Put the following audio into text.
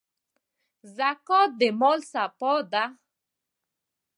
زکات د مال صفا ده.